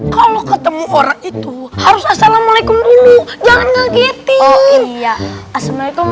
kalau ketemu orang itu harus assalamualaikum dulu jangan ngegetin oh iya assalamualaikum